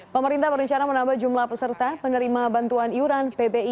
pemerintah berencana menambah jumlah peserta penerima bantuan iuran pbi